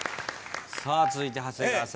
さあ続いて長谷川さん。